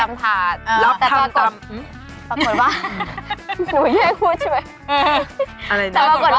ตำถาดเออแต่ก็ปรากฏว่าหนูเยี่ยมพูดใช่ไหมเอออะไรเนี้ย